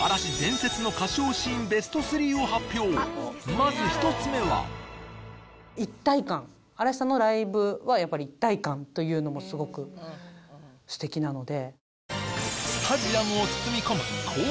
まず１つ目は嵐さんのライブはやっぱり一体感というのもすごくステキなので。